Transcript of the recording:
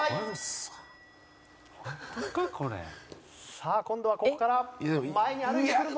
さあ今度はここから前に歩いてくるぞ。